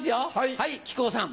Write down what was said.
はい木久扇さん。